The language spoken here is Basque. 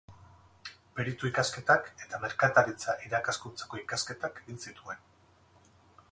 Peritu-ikasketak eta merkataritza-irakaskuntzako ikasketak egin zituen.